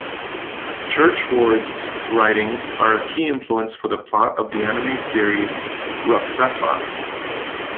Churchward's writings are a key influence for the plot of the anime series RahXephon.